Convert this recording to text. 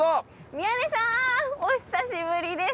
宮根さん！お久しぶりです。